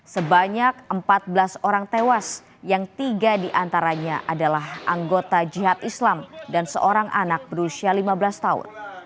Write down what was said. sebanyak empat belas orang tewas yang tiga diantaranya adalah anggota jihad islam dan seorang anak berusia lima belas tahun